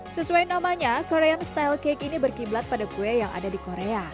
sesuai namanya korean style cake ini berkiblat pada kue yang ada di korea